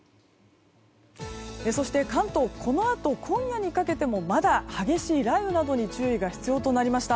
そして関東、このあと今夜にかけてもまだ激しい雷雨などに注意が必要となりました。